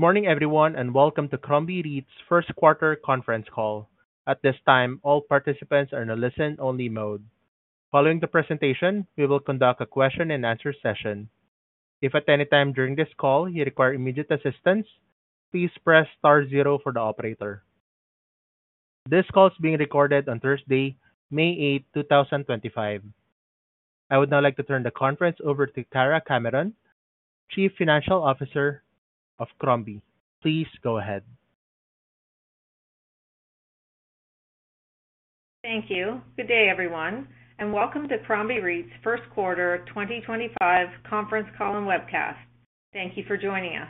Good morning, everyone, and welcome to Crombie REIT's first quarter conference call. At this time, all participants are in a listen-only mode. Following the presentation, we will conduct a question-and-answer session. If at any time during this call you require immediate assistance, please press star zero for the operator. This call is being recorded on Thursday, May 8, 2025. I would now like to turn the conference over to Kara Cameron, Chief Financial Officer of Crombie. Please go ahead. Thank you. Good day, everyone, and welcome to Crombie REIT's first quarter 2025 conference call and webcast. Thank you for joining us.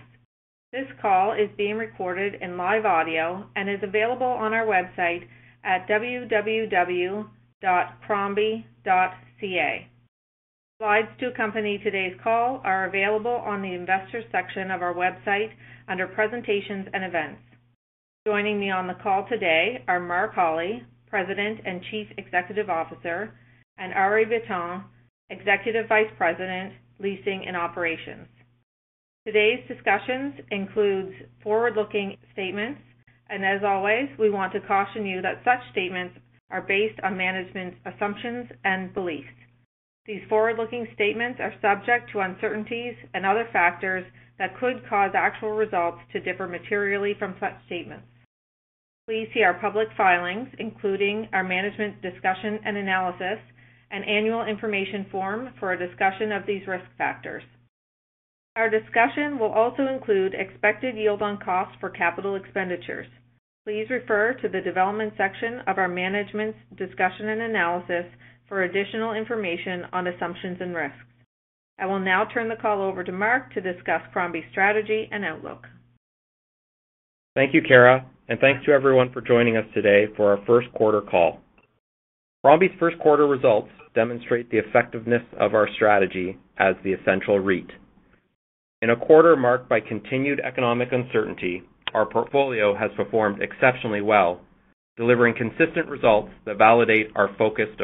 This call is being recorded in live audio and is available on our website at www.crombie.ca. Slides to accompany today's call are available on the investor section of our website under presentations and events. Joining me on the call today are Mark Holly, President and Chief Executive Officer, and Arie Bitton, Executive Vice President, Leasing and Operations. Today's discussions include forward-looking statements, and as always, we want to caution you that such statements are based on management's assumptions and beliefs. These forward-looking statements are subject to uncertainties and other factors that could cause actual results to differ materially from such statements. Please see our public filings, including our management discussion and analysis, and annual information form for a discussion of these risk factors. Our discussion will also include expected yield on cost for capital expenditures. Please refer to the development section of our management's discussion and analysis for additional information on assumptions and risks. I will now turn the call over to Mark to discuss Crombie's strategy and outlook. Thank you, Kara, and thanks to everyone for joining us today for our first quarter call. Crombie's first quarter results demonstrate the effectiveness of our strategy as the essential REIT. In a quarter marked by continued economic uncertainty, our portfolio has performed exceptionally well, delivering consistent results that validate our focused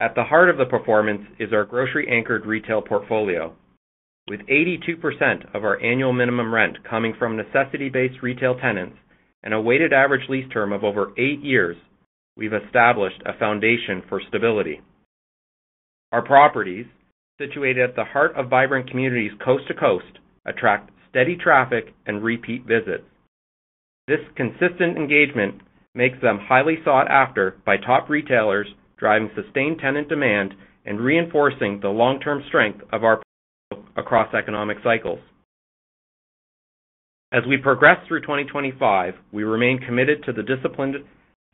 approach. At the heart of the performance is our grocery-anchored retail portfolio. With 82% of our annual minimum rent coming from necessity-based retail tenants and a weighted average lease term of over eight years, we've established a foundation for stability. Our properties, situated at the heart of vibrant communities coast to coast, attract steady traffic and repeat visits. This consistent engagement makes them highly sought after by top retailers, driving sustained tenant demand and reinforcing the long-term strength of our portfolio across economic cycles. As we progress through 2025, we remain committed to the disciplined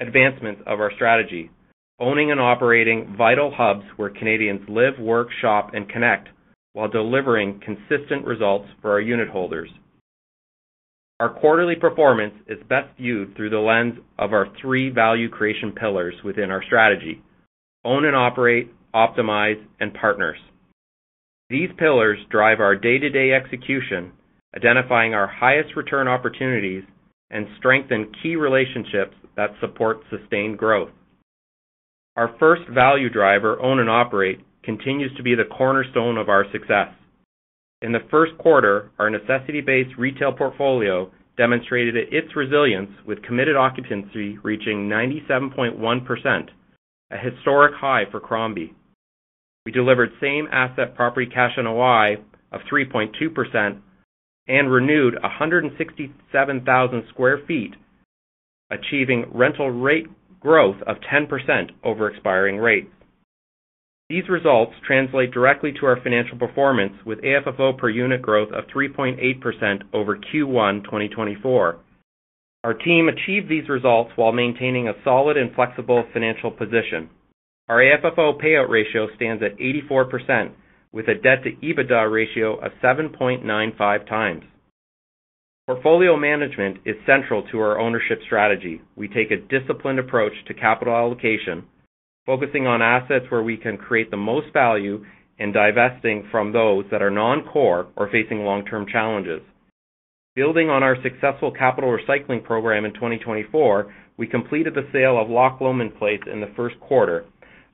advancements of our strategy, owning and operating vital hubs where Canadians live, work, shop, and connect, while delivering consistent results for our unit holders. Our quarterly performance is best viewed through the lens of our three value creation pillars within our strategy, own and operate, optimize, and partners. These pillars drive our day-to-day execution, identifying our highest return opportunities, and strengthen key relationships that support sustained growth. Our first value driver, own and operate, continues to be the cornerstone of our success. In the first quarter, our necessity-based retail portfolio demonstrated its resilience, with committed occupancy reaching 97.1%, a historic high for Crombie. We delivered same-asset property cash on a year of 3.2% and renewed 167,000 sq ft, achieving rental rate growth of 10% over expiring rates. These results translate directly to our financial performance, with AFFO per unit growth of 3.8% over Q1 2024. Our team achieved these results while maintaining a solid and flexible financial position. Our AFFO payout ratio stands at 84%, with a debt-to-EBITDA ratio of 7.95x. Portfolio management is central to our ownership strategy. We take a disciplined approach to capital allocation, focusing on assets where we can create the most value and divesting from those that are non-core or facing long-term challenges. Building on our successful capital recycling program in 2024, we completed the sale of Loch Lomond Place in the first quarter,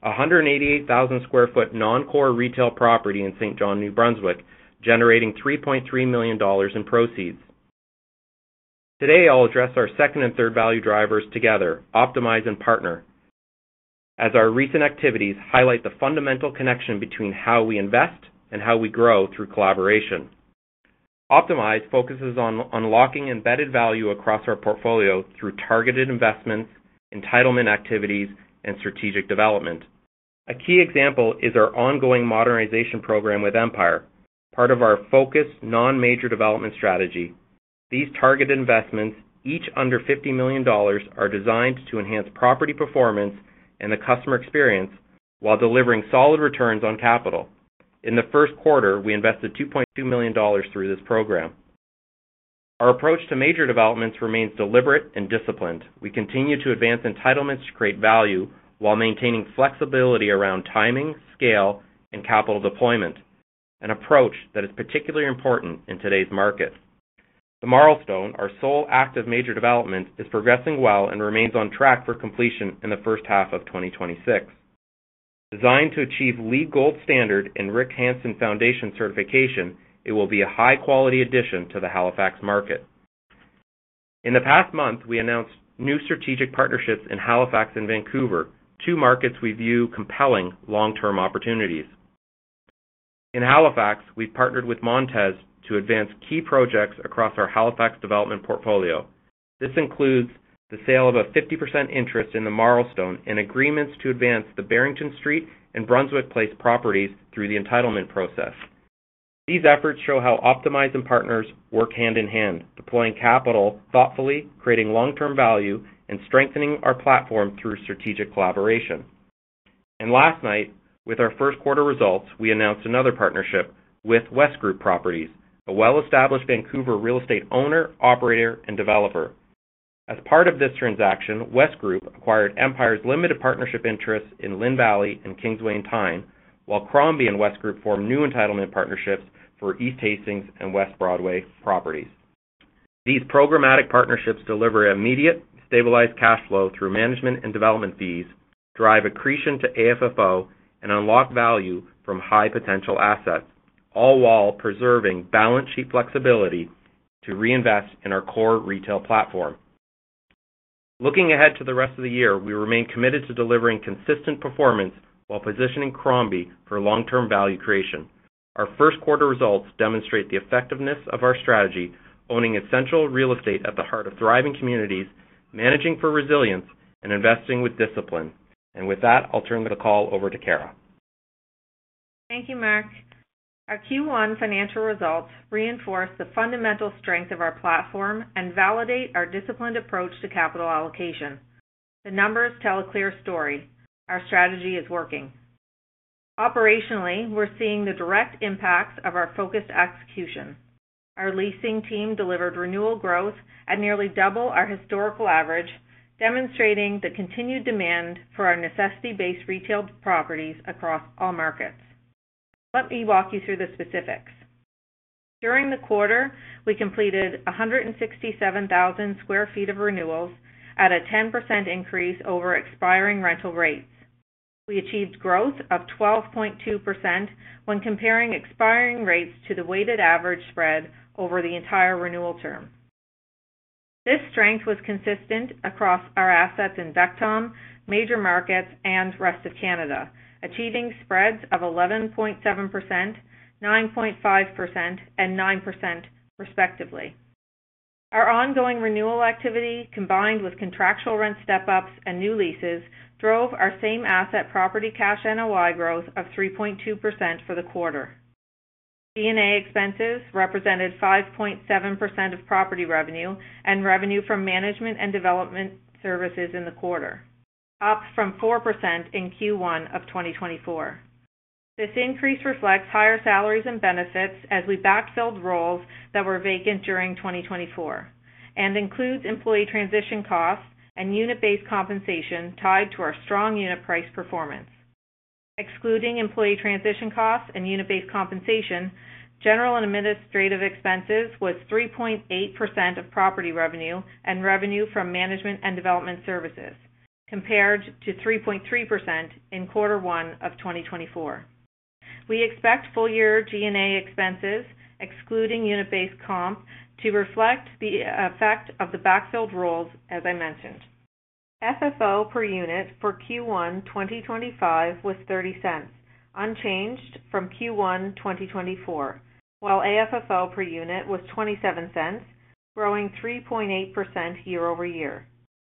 a 188,000 sq ft non-core retail property in Saint John, New Brunswick, generating 3.3 million dollars in proceeds. Today, I'll address our second and third value drivers together: optimize and partner, as our recent activities highlight the fundamental connection between how we invest and how we grow through collaboration. Optimize focuses on unlocking embedded value across our portfolio through targeted investments, entitlement activities, and strategic development. A key example is our ongoing modernization program with Empire, part of our focused non-major development strategy. These targeted investments, each under 50 million dollars, are designed to enhance property performance and the customer experience while delivering solid returns on capital. In the first quarter, we invested 2.2 million dollars through this program. Our approach to major developments remains deliberate and disciplined. We continue to advance entitlements to create value while maintaining flexibility around timing, scale, and capital deployment, an approach that is particularly important in today's market. The Milestone, our sole active major development, is progressing well and remains on track for completion in the first half of 2026. Designed to achieve LEED Gold Standard and Rick Hansen Foundation certification, it will be a high-quality addition to the Halifax market. In the past month, we announced new strategic partnerships in Halifax and Vancouver, two markets we view as compelling long-term opportunities. In Halifax, we've partnered with Montez to advance key projects across our Halifax development portfolio. This includes the sale of a 50% interest in the Milestone and agreements to advance the Barrington Street and Brunswick Place properties through the entitlement process. These efforts show how Optimize and partners work hand in hand, deploying capital thoughtfully, creating long-term value, and strengthening our platform through strategic collaboration. Last night, with our first quarter results, we announced another partnership with West Group Properties, a well-established Vancouver real estate owner, operator, and developer. As part of this transaction, West Group acquired Empire's limited partnership interests in Linn Valley and Kingsway & Tyne, while Crombie and West Group formed new entitlement partnerships for East Hastings and West Broadway properties. These programmatic partnerships deliver immediate, stabilized cash flow through management and development fees, drive accretion to AFFO, and unlock value from high potential assets, all while preserving balance sheet flexibility to reinvest in our core retail platform. Looking ahead to the rest of the year, we remain committed to delivering consistent performance while positioning Crombie for long-term value creation. Our first quarter results demonstrate the effectiveness of our strategy, owning essential real estate at the heart of thriving communities, managing for resilience, and investing with discipline. With that, I'll turn the call over to Kara. Thank you, Mark. Our Q1 financial results reinforce the fundamental strength of our platform and validate our disciplined approach to capital allocation. The numbers tell a clear story. Our strategy is working. Operationally, we're seeing the direct impacts of our focused execution. Our leasing team delivered renewal growth at nearly double our historical average, demonstrating the continued demand for our necessity-based retail properties across all markets. Let me walk you through the specifics. During the quarter, we completed 167,000 sq ft of renewals at a 10% increase over expiring rental rates. We achieved growth of 12.2% when comparing expiring rates to the weighted average spread over the entire renewal term. This strength was consistent across our assets in Vancouver, major markets, and rest of Canada, achieving spreads of 11.7%, 9.5%, and 9%, respectively. Our ongoing renewal activity, combined with contractual rent step-ups and new leases, drove our same-asset property cash on a year growth of 3.2% for the quarter. G&A expenses represented 5.7% of property revenue and revenue from management and development services in the quarter, up from 4% in Q1 of 2024. This increase reflects higher salaries and benefits as we backfilled roles that were vacant during 2024 and includes employee transition costs and unit-based compensation tied to our strong unit price performance. Excluding employee transition costs and unit-based compensation, general and administrative expenses was 3.8% of property revenue and revenue from management and development services, compared to 3.3% in quarter one of 2024. We expect full-year G&A expenses, excluding unit-based comp, to reflect the effect of the backfilled roles, as I mentioned. FFO per unit for Q1 2025 was $0.30, unchanged from Q1 2024, while AFFO per unit was $0.27, growing 3.8% year-over-year.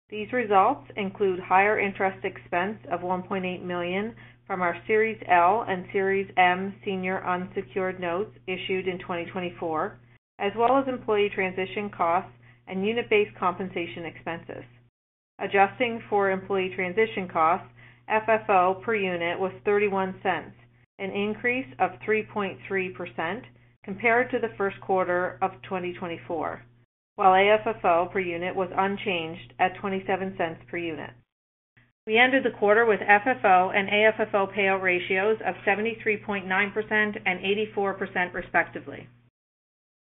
These results include higher interest expense of 1.8 million from our Series L and Series M senior unsecured notes issued in 2024, as well as employee transition costs and unit-based compensation expenses. Adjusting for employee transition costs, FFO per unit was $0.31, an increase of 3.3% compared to the first quarter of 2024, while AFFO per unit was unchanged at $0.27 per unit. We ended the quarter with FFO and AFFO payout ratios of 73.9% and 84%, respectively.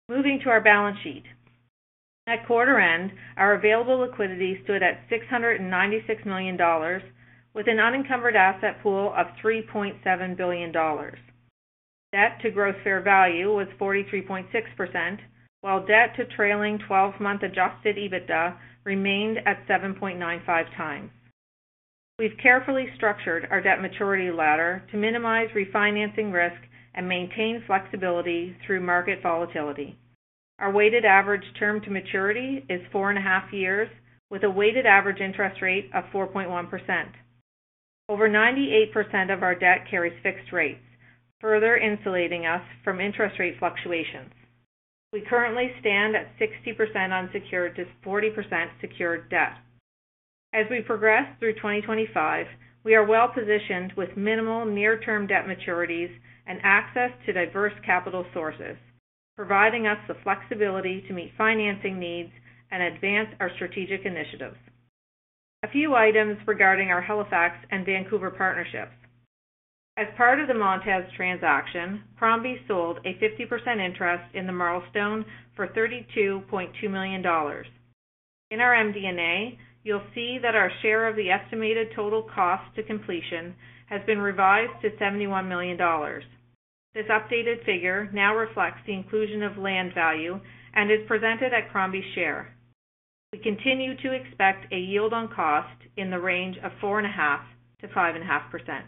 Moving to our balance sheet. At quarter end, our available liquidity stood at 696 million dollars, with an unencumbered asset pool of 3.7 billion dollars. Debt-to-gross fair value was 43.6%, while debt-to-trailing 12-month adjusted EBITDA remained at 7.95x-. We've carefully structured our debt maturity ladder to minimize refinancing risk and maintain flexibility through market volatility. Our weighted average term to maturity is four and a half years, with a weighted average interest rate of 4.1%. Over 98% of our debt carries fixed rates, further insulating us from interest rate fluctuations. We currently stand at 60% unsecured to 40% secured debt. As we progress through 2025, we are well positioned with minimal near-term debt maturities and access to diverse capital sources, providing us the flexibility to meet financing needs and advance our strategic initiatives. A few items regarding our Halifax and Vancouver partnerships. As part of the Montez transaction, Crombie sold a 50% interest in the Milestone for 32.2 million dollars. In our MD&A, you'll see that our share of the estimated total cost to completion has been revised to 71 million dollars. This updated figure now reflects the inclusion of land value and is presented at Crombie's share. We continue to expect a yield on cost in the range of 4.5%-5.5%.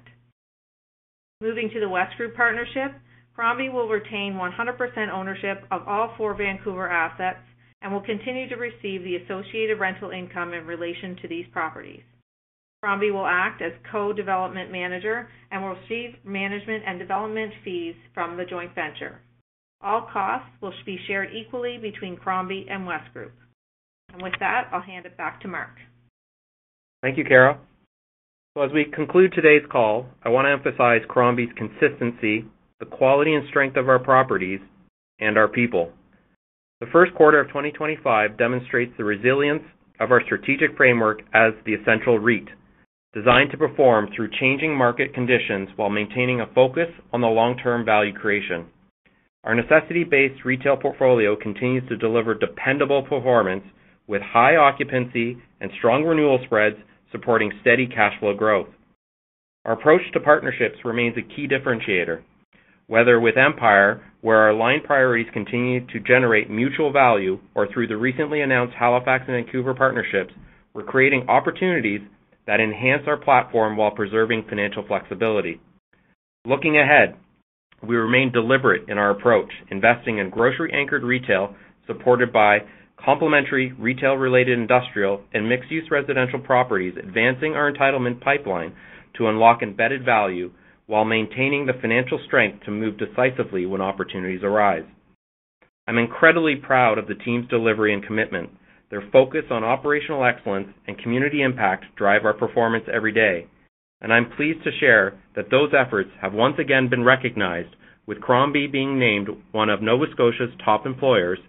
Moving to the West Group partnership, Crombie will retain 100% ownership of all four Vancouver assets and will continue to receive the associated rental income in relation to these properties. Crombie will act as co-development manager and will receive management and development fees from the joint venture. All costs will be shared equally between Crombie and West Group. With that, I'll hand it back to Mark. Thank you, Carol. As we conclude today's call, I want to emphasize Crombie's consistency, the quality and strength of our properties, and our people. The first quarter of 2025 demonstrates the resilience of our strategic framework as the essential REIT, designed to perform through changing market conditions while maintaining a focus on long-term value creation. Our necessity-based retail portfolio continues to deliver dependable performance with high occupancy and strong renewal spreads supporting steady cash flow growth. Our approach to partnerships remains a key differentiator, whether with Empire, where our line priorities continue to generate mutual value, or through the recently announced Halifax and Vancouver partnerships, we are creating opportunities that enhance our platform while preserving financial flexibility. Looking ahead, we remain deliberate in our approach, investing in grocery-anchored retail supported by complementary retail-related industrial and mixed-use residential properties, advancing our entitlement pipeline to unlock embedded value while maintaining the financial strength to move decisively when opportunities arise. I am incredibly proud of the team's delivery and commitment. Their focus on operational excellence and community impact drive our performance every day. I am pleased to share that those efforts have once again been recognized, with Crombie being named one of Nova Scotia's top employers,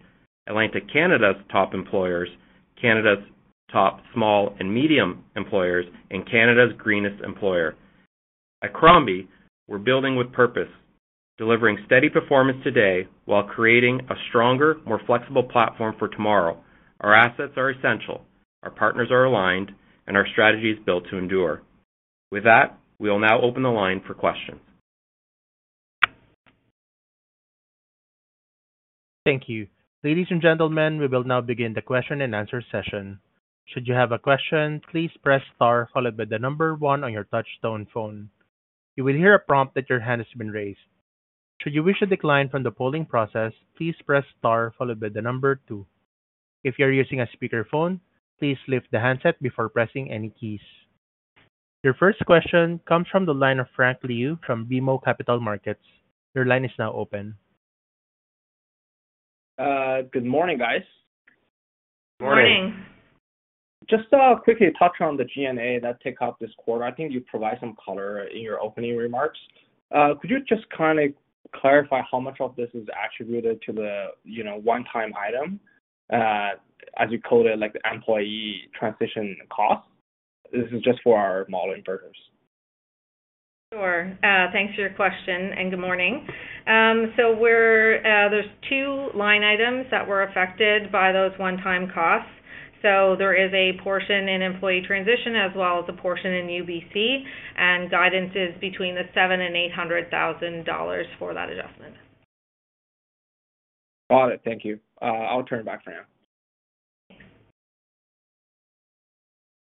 Atlantic Canada's top employers, Canada's top small and medium employers, and Canada's greenest employer. At Crombie, we are building with purpose, delivering steady performance today while creating a stronger, more flexible platform for tomorrow. Our assets are essential, our partners are aligned, and our strategy is built to endure. With that, we will now open the line for questions. Thank you. Ladies and gentlemen, we will now begin the question and answer session. Should you have a question, please press star followed by the number one on your touch-tone phone. You will hear a prompt that your hand has been raised. Should you wish to decline from the polling process, please press star followed by the number two. If you're using a speakerphone, please lift the handset before pressing any keys. Your first question comes from the line of Frank Liu from BMO Capital Markets. Your line is now open. Good morning, guys. Good morning. Just quickly touch on the G&A that took up this quarter. I think you provided some color in your opening remarks. Could you just kind of clarify how much of this is attributed to the one-time item, as you called it, like the employee transition cost? This is just for our model inverters. Sure. Thanks for your question and good morning. There are two line items that were affected by those one-time costs. There is a portion in employee transition as well as a portion in UBC and guidances between 7,000 and 800,000 dollars for that adjustment. Got it. Thank you. I'll turn it back for now.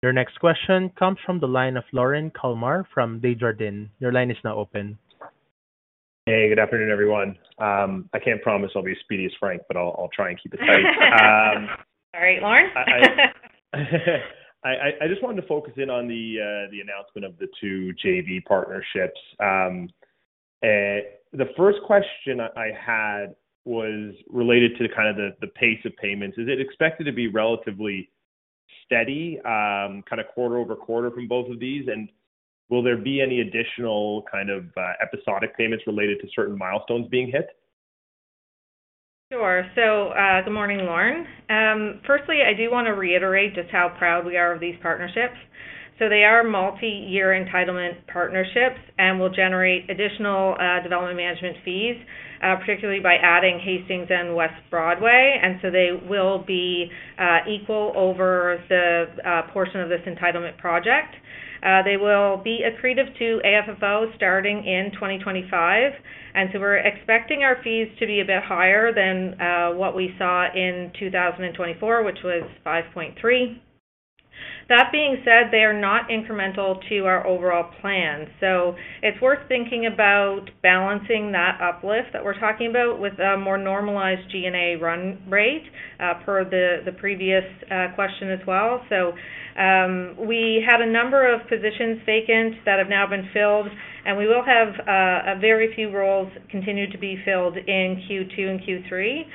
Your next question comes from the line of Lorne Kalmar from Desjardins. Your line is now open. Hey, good afternoon, everyone. I can't promise I'll be as speedy as Frank, but I'll try and keep it tight. All right, Lorne? I just wanted to focus in on the announcement of the two JV partnerships. The first question I had was related to kind of the pace of payments. Is it expected to be relatively steady, kind of quarter over quarter from both of these? Is there expected to be any additional kind of episodic payments related to certain milestones being hit? Sure. Good morning, Lorne. Firstly, I do want to reiterate just how proud we are of these partnerships. They are multi-year entitlement partnerships and will generate additional development management fees, particularly by adding Hastings and West Broadway. They will be equal over the portion of this entitlement project. They will be accretive to AFFO starting in 2025. We are expecting our fees to be a bit higher than what we saw in 2024, which was 5.3 million. That being said, they are not incremental to our overall plan. It is worth thinking about balancing that uplift that we are talking about with a more normalized G&A run rate per the previous question as well. We had a number of positions vacant that have now been filled, and we will have very few roles continue to be filled in Q2 and Q3.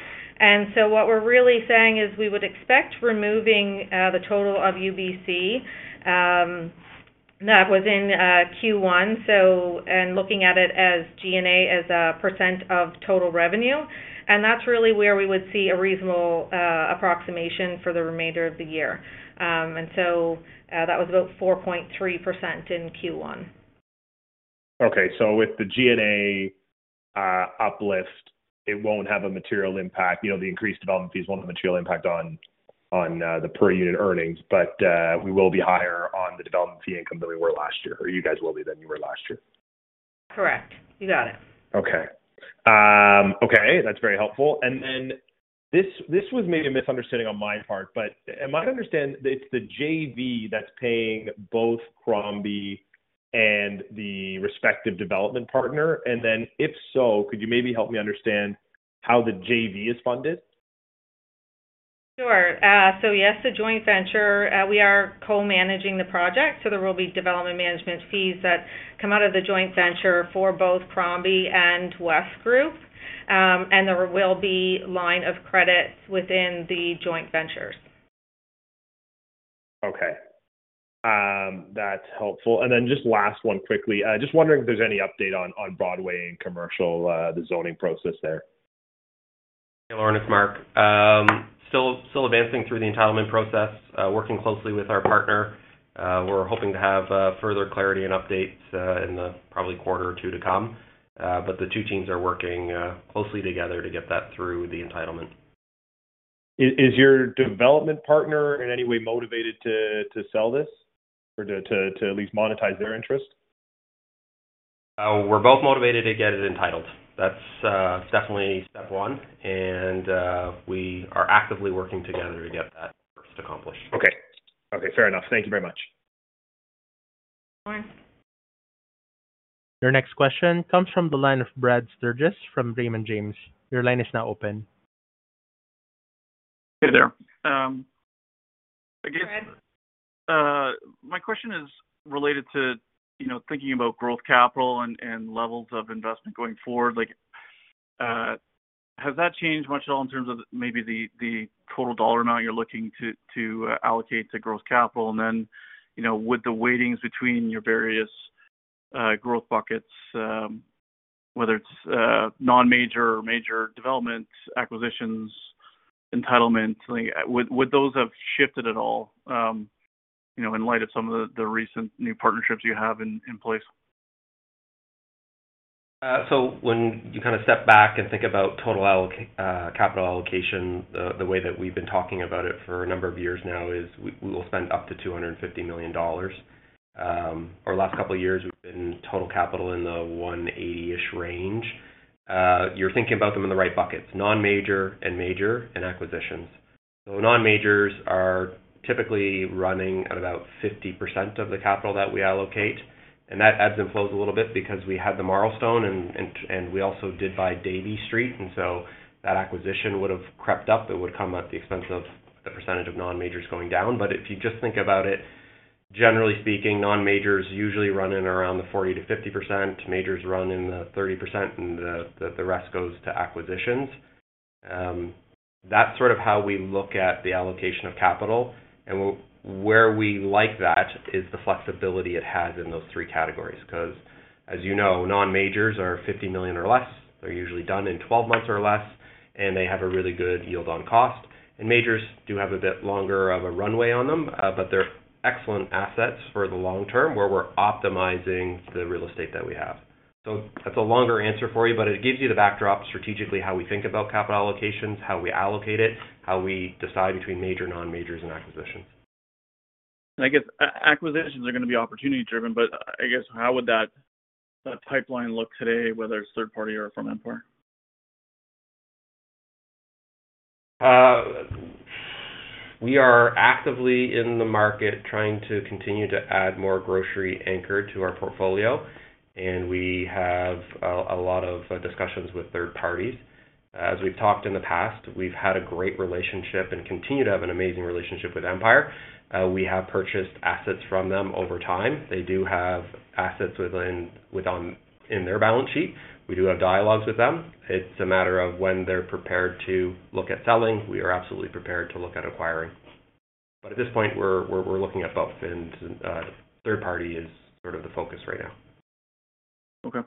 What we're really saying is we would expect removing the total of UBC that was in Q1 and looking at it as G&A as a percent of total revenue. That is really where we would see a reasonable approximation for the remainder of the year. That was about 4.3% in Q1. Okay. With the G&A uplift, it will not have a material impact. The increased development fees will not have a material impact on the per-unit earnings, but we will be higher on the development fee income than we were last year, or you guys will be than you were last year. Correct. You got it. Okay. That's very helpful. This was maybe a misunderstanding on my part, but am I to understand that it's the JV that's paying both Crombie and the respective development partner? If so, could you maybe help me understand how the JV is funded? Sure. Yes, the joint venture, we are co-managing the project. There will be development management fees that come out of the joint venture for both Crombie and West Group, and there will be line of credits within the joint ventures. Okay. That's helpful. Just last one quickly. Just wondering if there's any update on Broadway and commercial, the zoning process there. Hey, Lorne, it's Mark. Still advancing through the entitlement process, working closely with our partner. We're hoping to have further clarity and updates in the probably quarter or two to come. The two teams are working closely together to get that through the entitlement. Is your development partner in any way motivated to sell this or to at least monetize their interest? We're both motivated to get it entitled. That's definitely step one. We are actively working together to get that first accomplished. Okay. Fair enough. Thank you very much. Your next question comes from the line of Brad Sturges from Raymond James. Your line is now open. Hey there. Hi, Brad. My question is related to thinking about growth capital and levels of investment going forward. Has that changed much at all in terms of maybe the total dollar amount you're looking to allocate to growth capital? Then with the weightings between your various growth buckets, whether it's non-major or major development acquisitions, entitlements, would those have shifted at all in light of some of the recent new partnerships you have in place? When you kind of step back and think about total capital allocation, the way that we've been talking about it for a number of years now is we will spend up to 250 million dollars. Over the last couple of years, we've been total capital in the 180 million-ish range. You're thinking about them in the right buckets: non-major and major and acquisitions. Non-majors are typically running at about 50% of the capital that we allocate. That ebbs and flows a little bit because we had the Milestone, and we also did buy Davie Street. That acquisition would have crept up. It would come at the expense of the percentage of non-majors going down. If you just think about it, generally speaking, non-majors usually run in around the 40%-50%. Majors run in the 30%, and the rest goes to acquisitions. That's sort of how we look at the allocation of capital. Where we like that is the flexibility it has in those three categories. Because, as you know, non-majors are 50 million or less. They're usually done in 12 months or less, and they have a really good yield on cost. Majors do have a bit longer of a runway on them, but they're excellent assets for the long term where we're optimizing the real estate that we have. That's a longer answer for you, but it gives you the backdrop strategically how we think about capital allocations, how we allocate it, how we decide between major, non-majors, and acquisitions. I guess acquisitions are going to be opportunity-driven, but I guess how would that pipeline look today, whether it's third-party or from Empire? We are actively in the market trying to continue to add more grocery anchor to our portfolio, and we have a lot of discussions with third parties. As we've talked in the past, we've had a great relationship and continue to have an amazing relationship with Empire. We have purchased assets from them over time. They do have assets within their balance sheet. We do have dialogues with them. It is a matter of when they're prepared to look at selling. We are absolutely prepared to look at acquiring. At this point, we're looking at both, and third-party is sort of the focus right now. Okay.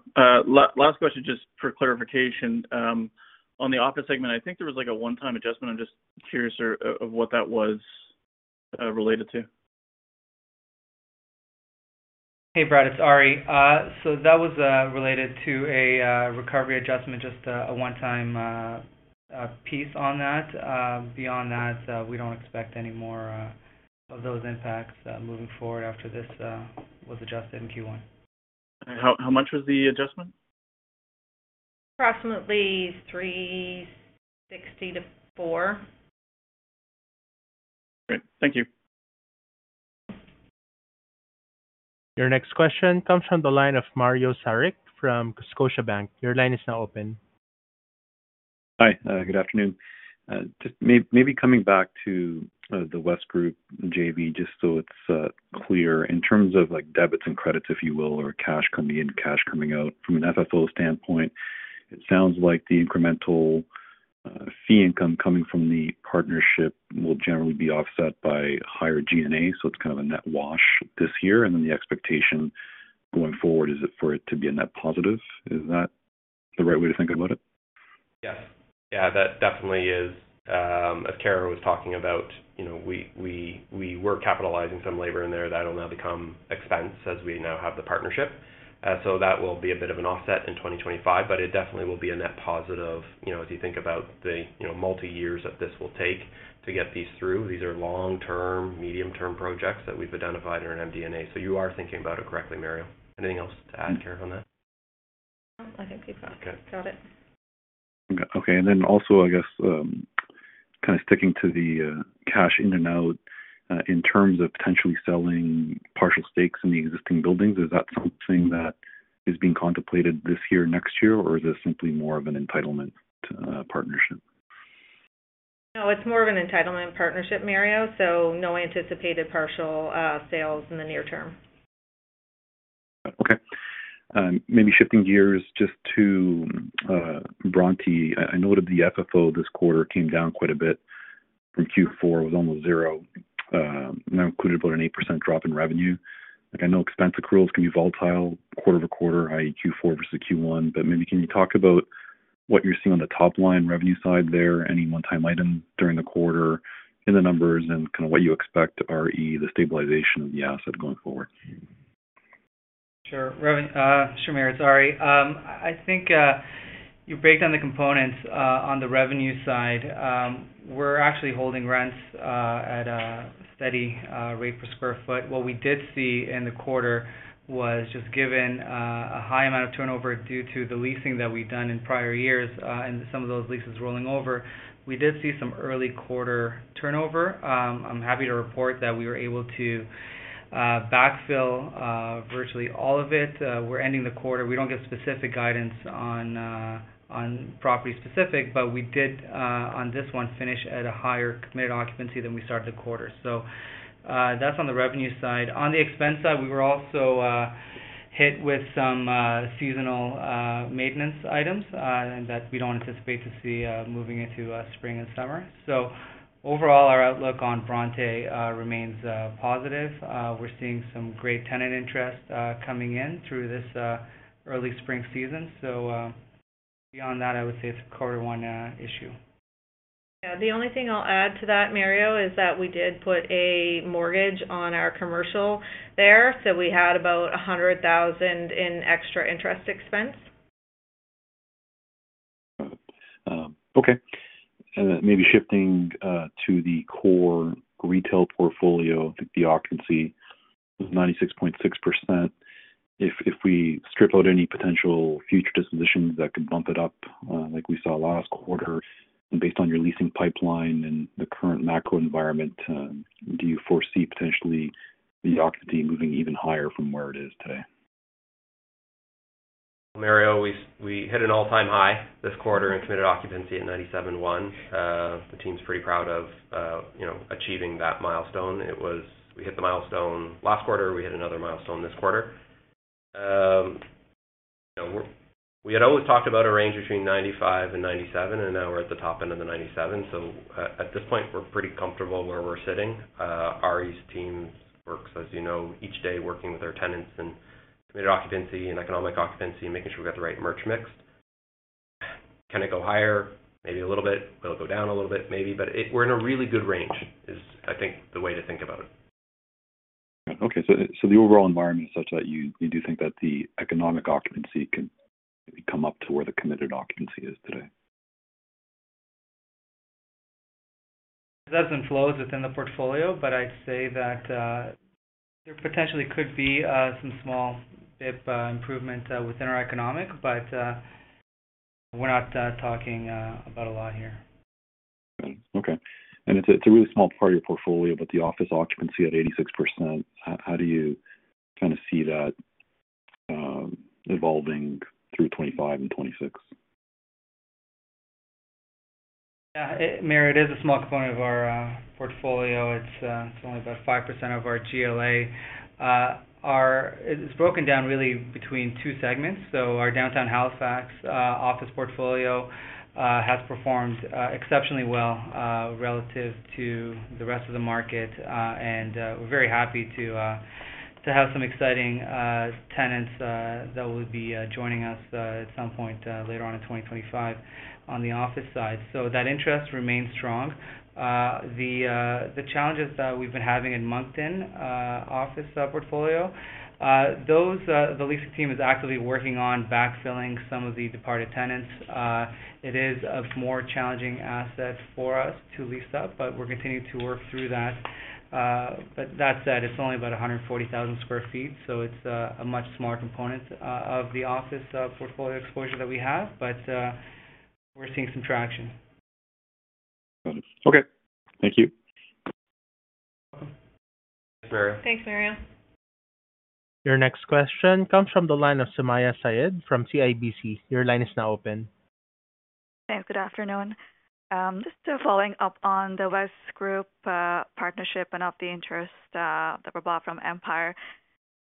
Last question, just for clarification. On the office segment, I think there was a one-time adjustment. I'm just curious of what that was related to. Hey, Brad. It's Arie. That was related to a recovery adjustment, just a one-time piece on that. Beyond that, we don't expect any more of those impacts moving forward after this was adjusted in Q1. How much was the adjustment? Approximately 360 to 4. Great. Thank you. Your next question comes from the line of Mario Saric from Scotiabank. Your line is now open. Hi. Good afternoon. Maybe coming back to the West Group JV, just so it's clear, in terms of debits and credits, if you will, or cash coming in, cash coming out, from an FFO standpoint, it sounds like the incremental fee income coming from the partnership will generally be offset by higher G&A. So it's kind of a net wash this year. And then the expectation going forward is for it to be a net positive. Is that the right way to think about it? Yeah, that definitely is. As Kara was talking about, we were capitalizing some labor in there that will now become expense as we now have the partnership. That will be a bit of an offset in 2025, but it definitely will be a net positive as you think about the multi-years that this will take to get these through. These are long-term, medium-term projects that we have identified in our MD&A. You are thinking about it correctly, Marielle. Anything else to add, Kara, on that? Nope. I think we've got it. Okay. And then also, I guess, kind of sticking to the cash in and out, in terms of potentially selling partial stakes in the existing buildings, is that something that is being contemplated this year, next year, or is this simply more of an entitlement partnership? No, it's more of an entitlement partnership, Mario, so no anticipated partial sales in the near term. Okay. Maybe shifting gears just to Bronte, I noted the FFO this quarter came down quite a bit from Q4, was almost zero, and that included about an 8% drop in revenue. I know expense accruals can be volatile quarter over quarter, i.e., Q4 versus Q1, but maybe can you talk about what you're seeing on the top line revenue side there, any one-time items during the quarter, and the numbers and kind of what you expect, i.e., the stabilization of the asset going forward? Sure, Mario. It's Arie. I think you break down the components on the revenue side. We're actually holding rents at a steady rate per sq ft. What we did see in the quarter was, just given a high amount of turnover due to the leasing that we've done in prior years and some of those leases rolling over, we did see some early quarter turnover. I'm happy to report that we were able to backfill virtually all of it. We're ending the quarter. We don't get specific guidance on property specific, but we did, on this one, finish at a higher committed occupancy than we started the quarter. That's on the revenue side. On the expense side, we were also hit with some seasonal maintenance items that we don't anticipate to see moving into spring and summer. Overall, our outlook on Bronte remains positive. We're seeing some great tenant interest coming in through this early spring season. Beyond that, I would say it's a quarter one issue. Yeah. The only thing I'll add to that, Mario, is that we did put a mortgage on our commercial there. So we had about 100,000 in extra interest expense. Okay. Maybe shifting to the core retail portfolio, the occupancy was 96.6%. If we strip out any potential future dispositions that could bump it up, like we saw last quarter, and based on your leasing pipeline and the current macro environment, do you foresee potentially the occupancy moving even higher from where it is today? Marielle, we hit an all-time high this quarter in committed occupancy at 97.1%. The team's pretty proud of achieving that milestone. We hit the milestone last quarter. We hit another milestone this quarter. We had always talked about a range between 95% and 97%, and now we're at the top end of the 97%. At this point, we're pretty comfortable where we're sitting. Arie's team works, as you know, each day working with our tenants and committed occupancy and economic occupancy, making sure we got the right merch mix. Can it go higher? Maybe a little bit. Will it go down a little bit? Maybe. We're in a really good range, is I think the way to think about it. Okay. So the overall environment is such that you do think that the economic occupancy can maybe come up to where the committed occupancy is today? It ebbs and flows within the portfolio, but I'd say that there potentially could be some small bit improvement within our economic, but we're not talking about a lot here. Okay. It's a really small part of your portfolio, but the office occupancy at 86%, how do you kind of see that evolving through 2025 and 2026? Yeah. Mario, it is a small component of our portfolio. It's only about 5% of our GLA. It's broken down really between two segments. Our downtown Halifax office portfolio has performed exceptionally well relative to the rest of the market, and we're very happy to have some exciting tenants that will be joining us at some point later on in 2025 on the office side. That interest remains strong. The challenges that we've been having in the Moncton office portfolio, the leasing team is actively working on backfilling some of the departed tenants. It is a more challenging asset for us to lease up, but we're continuing to work through that. That said, it's only about 140,000 sq ft, so it's a much smaller component of the office portfolio exposure that we have, but we're seeing some traction. Got it. Okay. Thank you. Thanks, Mario. Thanks, Mario. Your next question comes from the line of Sumayya Syed from CIBC. Your line is now open. Hi, Sam. Good afternoon. Just following up on the West Group partnership and of the interest that we bought from Empire,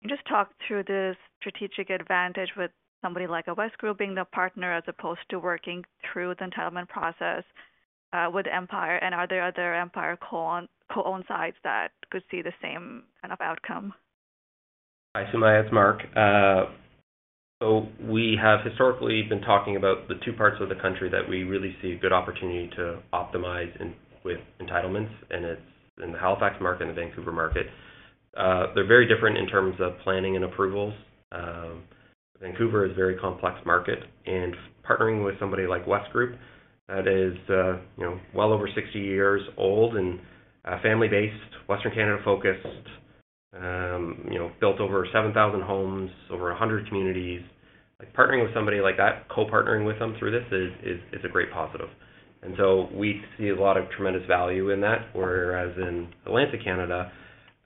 can you just talk through this strategic advantage with somebody like a West Group being the partner as opposed to working through the entitlement process with Empire? Are there other Empire co-owned sites that could see the same kind of outcome? Hi, Sumayya. It's Mark. We have historically been talking about the two parts of the country that we really see a good opportunity to optimize with entitlements, and it's in the Halifax market and the Vancouver market. They are very different in terms of planning and approvals. Vancouver is a very complex market, and partnering with somebody like West Group that is well over 60 years old and family-based, Western Canada-focused, built over 7,000 homes, over 100 communities, partnering with somebody like that, co-partnering with them through this is a great positive. We see a lot of tremendous value in that. Whereas in Atlantic Canada,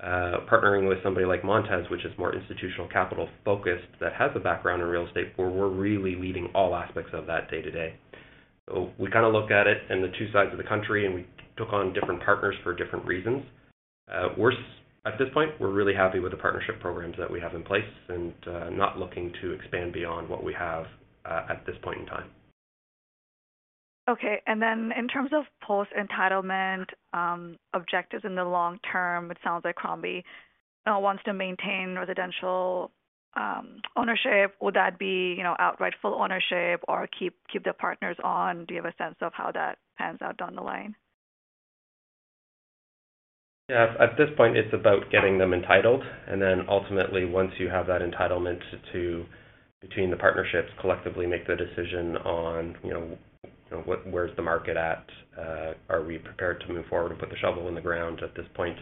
partnering with somebody like Montez, which is more institutional capital focused that has a background in real estate, where we are really leading all aspects of that day-to-day. We kind of look at it in the two sides of the country, and we took on different partners for different reasons. At this point, we're really happy with the partnership programs that we have in place and not looking to expand beyond what we have at this point in time. Okay. In terms of post-entitlement objectives in the long term, it sounds like Crombie wants to maintain residential ownership. Would that be outright full ownership or keep the partners on? Do you have a sense of how that pans out down the line? Yeah. At this point, it's about getting them entitled. And then ultimately, once you have that entitlement, between the partnerships collectively make the decision on where's the market at, are we prepared to move forward and put the shovel in the ground? At this point,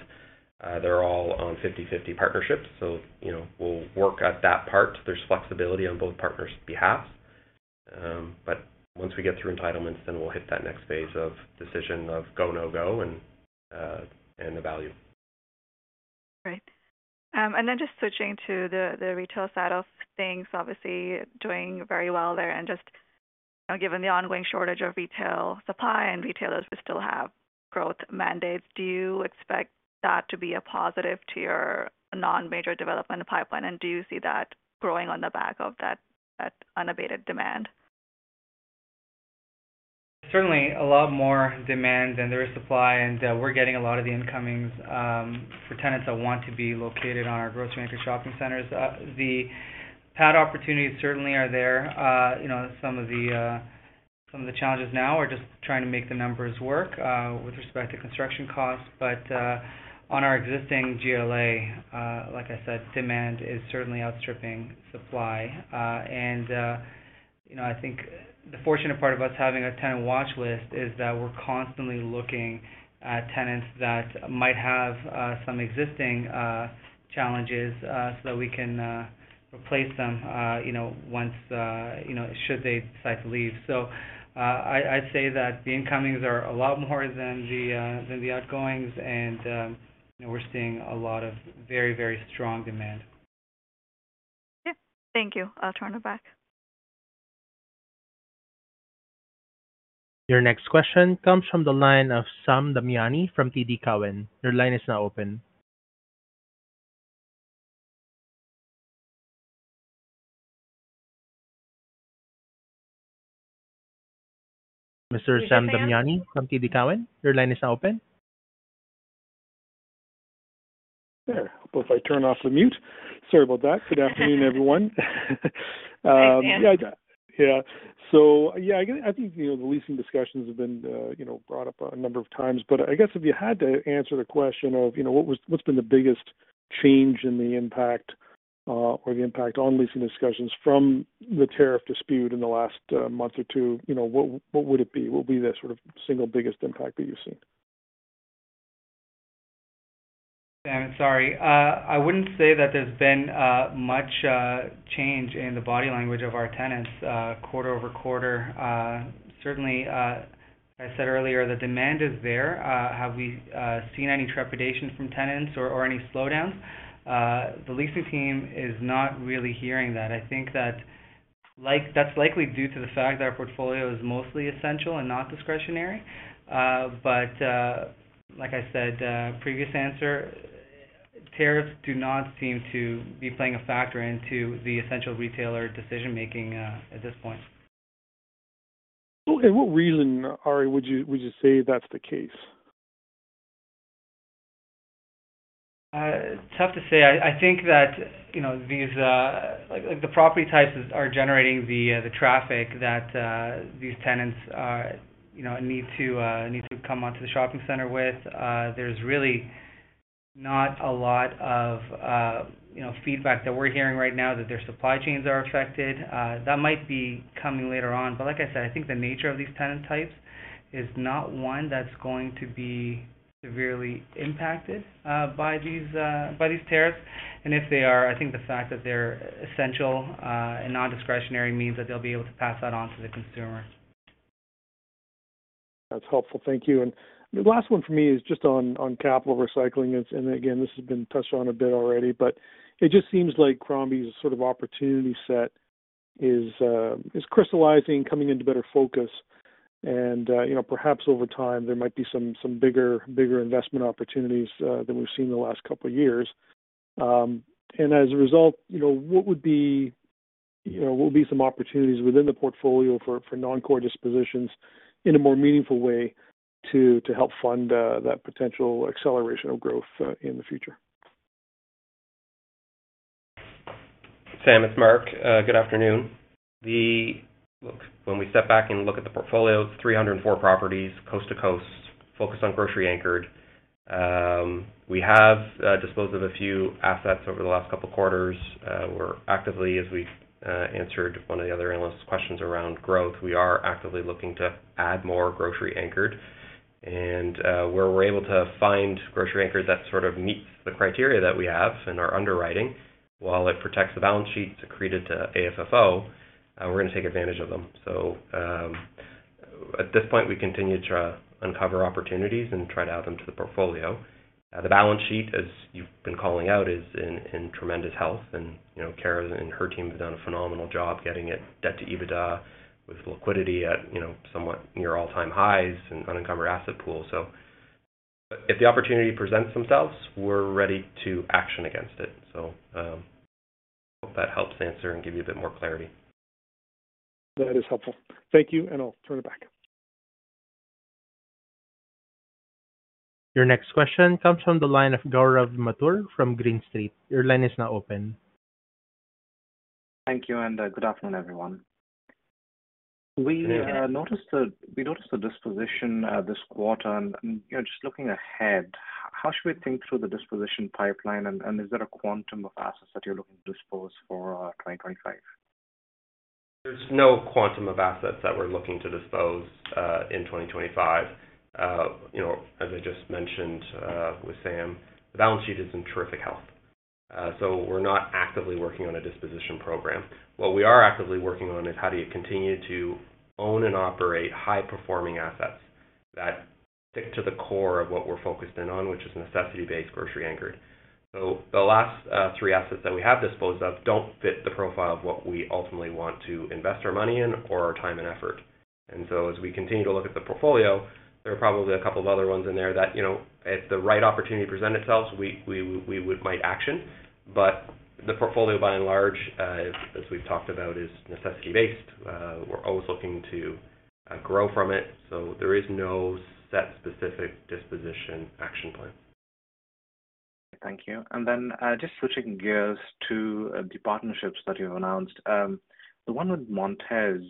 they're all on 50/50 partnerships, so we'll work at that part. There's flexibility on both partners' behalfs. But once we get through entitlements, then we'll hit that next phase of decision of go, no go, and the value. Great. Just switching to the retail side of things, obviously doing very well there and just given the ongoing shortage of retail supply and retailers still have growth mandates, do you expect that to be a positive to your non-major development pipeline? Do you see that growing on the back of that unabated demand? Certainly, a lot more demand than there is supply, and we're getting a lot of the incomings for tenants that want to be located on our grocery-anchored shopping centers. The pad opportunities certainly are there. Some of the challenges now are just trying to make the numbers work with respect to construction costs. On our existing GLA, like I said, demand is certainly outstripping supply. I think the fortunate part of us having a tenant watch list is that we're constantly looking at tenants that might have some existing challenges so that we can replace them should they decide to leave. I'd say that the incomings are a lot more than the outgoings, and we're seeing a lot of very, very strong demand. Okay. Thank you. I'll turn it back. Your next question comes from the line of Sam Damiani from TD Cowen. Your line is now open. Mr. Sam Damiani from TD Cowen, your line is now open. Sure. If I turn off the mute. Sorry about that. Good afternoon, everyone. Yeah, I think the leasing discussions have been brought up a number of times, but I guess if you had to answer the question of what's been the biggest change in the impact or the impact on leasing discussions from the tariff dispute in the last month or two, what would it be? What would be the sort of single biggest impact that you've seen? Sam, sorry. I wouldn't say that there's been much change in the body language of our tenants quarter over quarter. Certainly, as I said earlier, the demand is there. Have we seen any trepidation from tenants or any slowdowns? The leasing team is not really hearing that. I think that's likely due to the fact that our portfolio is mostly essential and not discretionary. Like I said, previous answer, tariffs do not seem to be playing a factor into the essential retailer decision-making at this point. In what reason, Arie, would you say that's the case? Tough to say. I think that the property types are generating the traffic that these tenants need to come onto the shopping center with. There's really not a lot of feedback that we're hearing right now that their supply chains are affected. That might be coming later on. Like I said, I think the nature of these tenant types is not one that's going to be severely impacted by these tariffs. If they are, I think the fact that they're essential and non-discretionary means that they'll be able to pass that on to the consumer. That's helpful. Thank you. The last one for me is just on capital recycling. This has been touched on a bit already, but it just seems like Crombie's sort of opportunity set is crystallizing, coming into better focus. Perhaps over time, there might be some bigger investment opportunities than we've seen the last couple of years. As a result, what would be some opportunities within the portfolio for non-core dispositions in a more meaningful way to help fund that potential acceleration of growth in the future? Sam, it's Mark. Good afternoon. When we step back and look at the portfolio, it's 304 properties coast to coast, focused on grocery anchored. We have disposed of a few assets over the last couple of quarters. Actively, as we answered one of the other analysts' questions around growth, we are actively looking to add more grocery anchored. Where we're able to find grocery anchored that sort of meets the criteria that we have in our underwriting, while it protects the balance sheet, secreted to AFFO, we're going to take advantage of them. At this point, we continue to uncover opportunities and try to add them to the portfolio. The balance sheet, as you've been calling out, is in tremendous health. Kara and her team have done a phenomenal job getting it debt to EBITDA with liquidity at somewhat near all-time highs and an unencumbered asset pool. If the opportunity presents themselves, we're ready to action against it. I hope that helps answer and give you a bit more clarity. That is helpful. Thank you, and I'll turn it back. Your next question comes from the line of Gaurav Mathur from Green Street. Your line is now open. Thank you, and good afternoon, everyone. We noticed a disposition this quarter. Just looking ahead, how should we think through the disposition pipeline, and is there a quantum of assets that you're looking to dispose for 2025? Is no quantum of assets that we are looking to dispose in 2025. As I just mentioned with Sam, the balance sheet is in terrific health. We are not actively working on a disposition program. What we are actively working on is how do you continue to own and operate high-performing assets that stick to the core of what we are focused in on, which is necessity-based grocery anchored. The last three assets that we have disposed of do not fit the profile of what we ultimately want to invest our money in or our time and effort. As we continue to look at the portfolio, there are probably a couple of other ones in there that if the right opportunity presents itself, we might action. The portfolio, by and large, as we have talked about, is necessity-based. We are always looking to grow from it. There is no set specific disposition action plan. Thank you. Then just switching gears to the partnerships that you've announced, the one with Montez,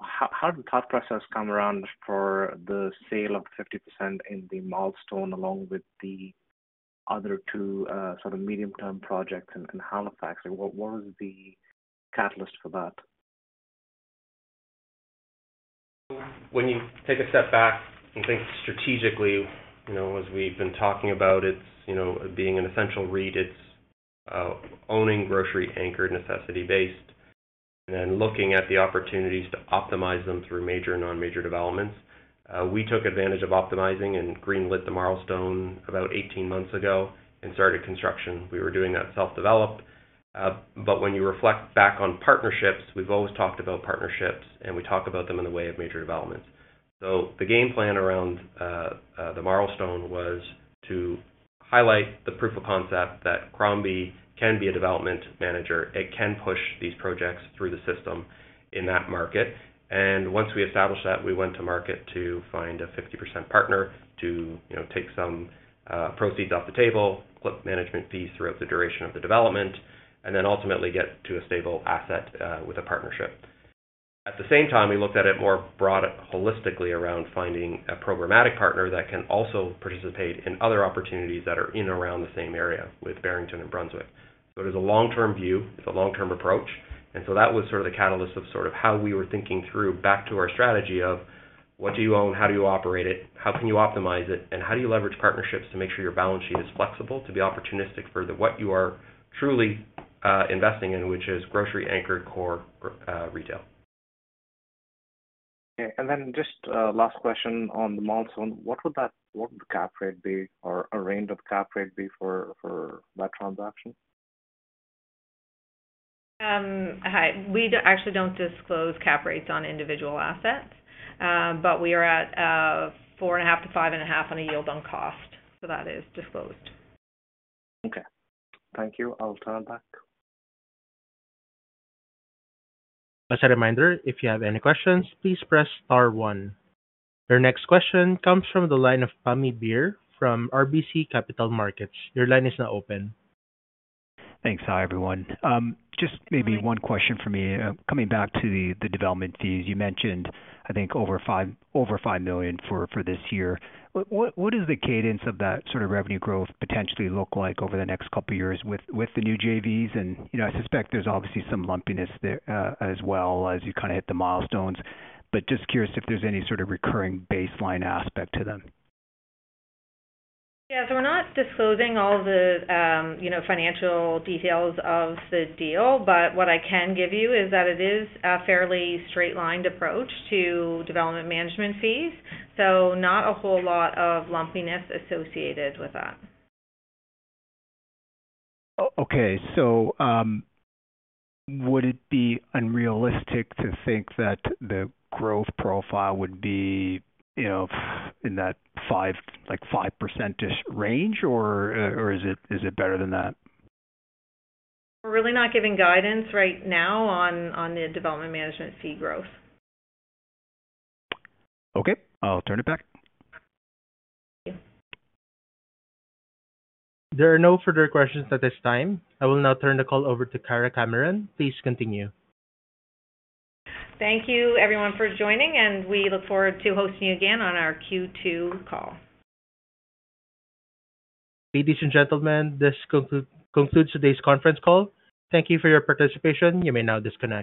how did the thought process come around for the sale of 50% in the Milestone along with the other two sort of medium-term projects in Halifax? What was the catalyst for that? When you take a step back and think strategically, as we've been talking about it being an essential read, it's owning grocery-anchored necessity-based and then looking at the opportunities to optimize them through major and non-major developments. We took advantage of optimizing and greenlit the Milestone about 18 months ago and started construction. We were doing that self-developed. When you reflect back on partnerships, we've always talked about partnerships, and we talk about them in the way of major developments. The game plan around the Milestone was to highlight the proof of concept that Crombie can be a development manager. It can push these projects through the system in that market. Once we established that, we went to market to find a 50% partner to take some proceeds off the table, flip management fees throughout the duration of the development, and then ultimately get to a stable asset with a partnership. At the same time, we looked at it more broad holistically around finding a programmatic partner that can also participate in other opportunities that are in and around the same area with Barrington and Brunswick. It is a long-term view. It is a long-term approach. That was sort of the catalyst of sort of how we were thinking through back to our strategy of what do you own, how do you operate it, how can you optimize it, and how do you leverage partnerships to make sure your balance sheet is flexible to be opportunistic for what you are truly investing in, which is grocery-anchored core retail. Okay. And then just last question on the Milestone. What would the cap rate be or a range of cap rate be for that transaction? We actually do not disclose cap rates on individual assets, but we are at 4.5%-5.5% on a yield on cost. That is disclosed. Okay. Thank you. I'll turn it back. As a reminder, if you have any questions, please press star one. Your next question comes from the line of Tommy Beer from RBC Capital Markets. Your line is now open. Thanks. Hi, everyone. Just maybe one question for me. Coming back to the development fees, you mentioned, I think, over 5 million for this year. What does the cadence of that sort of revenue growth potentially look like over the next couple of years with the new JVs? I suspect there's obviously some lumpiness as well as you kind of hit the milestones, but just curious if there's any sort of recurring baseline aspect to them. Yeah. We're not disclosing all the financial details of the deal, but what I can give you is that it is a fairly straight-lined approach to development management fees. Not a whole lot of lumpiness associated with that. Okay. So would it be unrealistic to think that the growth profile would be in that 5%‑ish range, or is it better than that? We're really not giving guidance right now on the development management fee growth. Okay. I'll turn it back. Thank you. There are no further questions at this time. I will now turn the call over to Kara Cameron. Please continue. Thank you, everyone, for joining, and we look forward to hosting you again on our Q2 call. Ladies and gentlemen, this concludes today's conference call. Thank you for your participation. You may now disconnect.